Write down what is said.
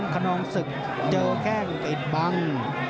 คณองศึกเจอแค่กุจิตบัง